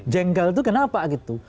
jengkel itu kenapa gitu